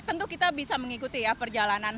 tentu kita bisa mengikuti ya perjalanan